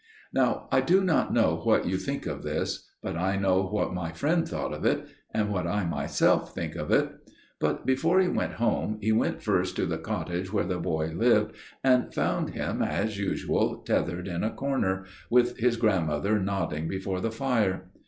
"Now I do not know what you think of this, but I know what my friend thought of it, and what I myself think of it. But before he went home he went first to the cottage where the boy lived and found him as usual tethered in the corner, with his grandmother nodding before the fire.